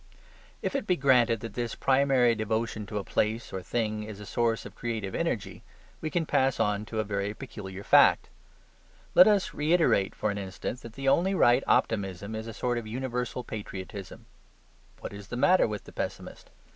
If it be granted that this primary devotion to a place or thing is a source of creative energy, we can pass on to a very peculiar fact. Let us reiterate for an instant that the only right optimism is a sort of universal patriotism. What is the matter with the pessimist?